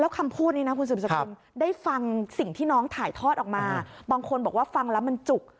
คำสั่งสิ่งที่น้องถ่ายทอดออกมาบางคนบอกว่าฟังแล้วมันจุก